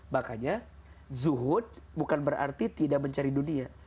makanya zuhud bukan berarti tidak mencari dunia